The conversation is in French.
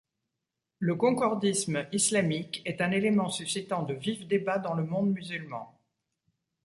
Le concordisme Islamique est un élément suscitant de vifs débats dans le monde musulman.